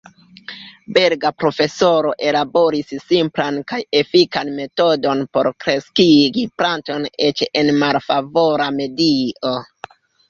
Belga profesoro ellaboris simplan kaj efikan metodon por kreskigi plantojn eĉ en malfavora medio.